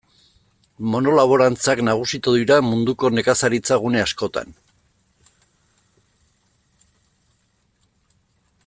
Monolaborantzak nagusitu dira munduko nekazaritza gune askotan.